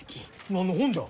何の本じゃ？